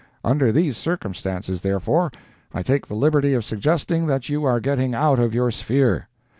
Under these circumstances, therefore, I take the liberty of suggesting that you are getting out of your sphere.